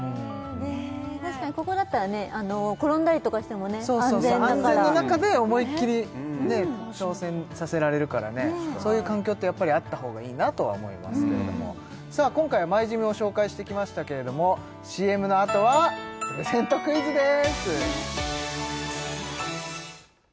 確かにここだったらね転んだりとかしても安全だから安全の中で思いっ切り挑戦させられるからねそういう環境ってやっぱりあった方がいいなとは思いますけれどもさあ今回はＭｙＧｙｍを紹介してきましたけれどもＣＭのあとはプレゼントクイズです！